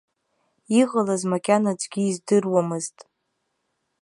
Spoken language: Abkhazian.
Иҟалаз макьана аӡәгьы издыруамызт.